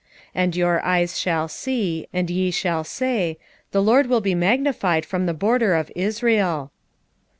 1:5 And your eyes shall see, and ye shall say, The LORD will be magnified from the border of Israel.